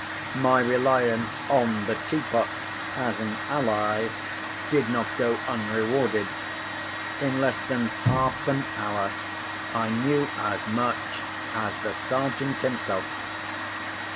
My reliance on the tea pot, as an ally, did not go unrewarded. In less than half an hour I knew as much as the Sergeant himself.